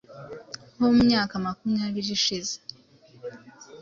nko mu myaka makumyabiri ishize.